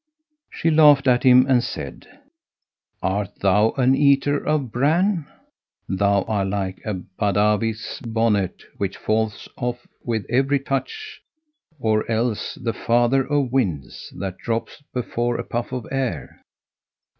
She laughed at him and said, "Art thou an eater of bran? Thou are like a Badawi's bonnet which falleth off with every touch or else the Father of Winds[FN#178] that droppeth before a puff of air.